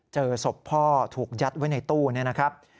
เจอศพพ่อถูกยัดไว้ในตู้นี่นะครับ